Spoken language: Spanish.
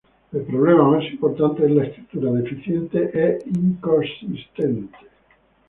El problema más importante es la escritura deficiente e inconsistente.